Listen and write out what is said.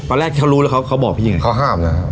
ขัวแรกเขารู้แล้วเขาเขาบอกพี่ยังไงเขาห้ามนะ